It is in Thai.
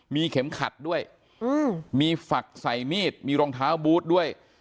มีเข็มขัดด้วยมีฝักใส่มีดมีรองเท้าบูธด้วย